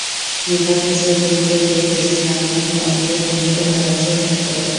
নিপাকে স্ত্রী পরিচয় দিয়ে জসিম রাজধানীর অদূরে টঙ্গীতে ভাড়া বাসায় থাকতেন।